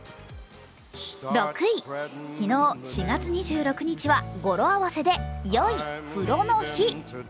６位、昨日４月２６日は語呂合わせでよい風呂の日。